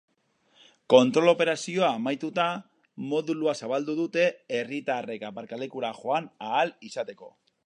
Kontrol operazioa amaituta, modulua zabaldu dute herritarrek aparkalekura joan ahal izateko.